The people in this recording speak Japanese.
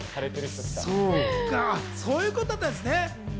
そういうことだったんですね。